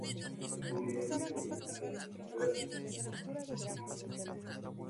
Publicaciones adicionales publicadas en los últimos años confirman esta tendencia.